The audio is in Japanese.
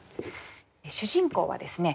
主人公はですね